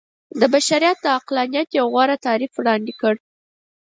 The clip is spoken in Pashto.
د بشريت د عقلانيت يو غوره تعريف وړاندې کړ.